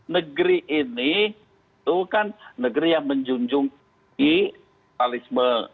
negeri ini itu kan negeri yang menjunjungi kalisme